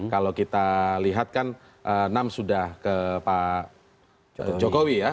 kalau kita lihat kan enam sudah ke pak jokowi ya